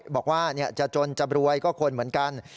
บอกว่าจะจนจะรวยก็คนเหมือนกัน